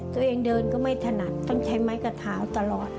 ตัวเองเดินก็ไม่ถนัดต้องใช้ไม้กระเท้าตลอด